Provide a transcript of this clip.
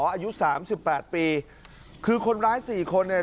อายุสามสิบแปดปีคือคนร้ายสี่คนเนี่ย